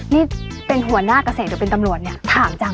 นี่เป็นหัวหน้าเกษตรหรือเป็นตำรวจเนี่ยถามจัง